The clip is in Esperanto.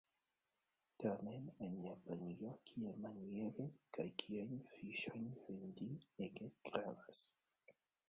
Tamen en Japanio kiamaniere kaj kiajn fiŝojn vendi ege gravas.